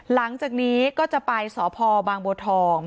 หลังจากนี้ก็จะไปสพบางบัวทอง